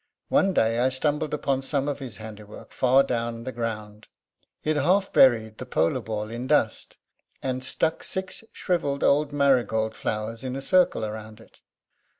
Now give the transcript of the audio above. One day I stumbled upon some of his handiwork far down the grounds. He had half buried the polo ball in dust, and stuck six shrivelled old marigold flowers in a circle round it.